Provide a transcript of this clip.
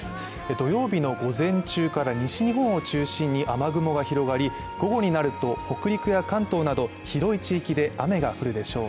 土曜日の午前中から西日本を中心に雨雲が広がり午後になると、北陸や関東など広い地域で雨が降るでしょう。